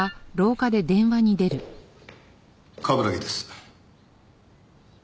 冠城です。